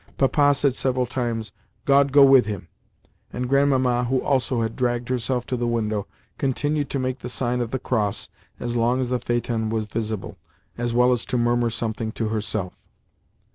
Papa said several times, "God go with him!" and Grandmamma, who also had dragged herself to the window, continued to make the sign of the cross as long as the phaeton was visible, as well as to murmur something to herself.